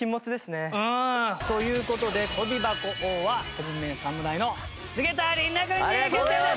という事で跳び箱王は７ＭＥＮ侍の菅田琳寧君に決定です！